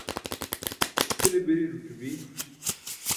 cʰile biri ẓuc̣ibi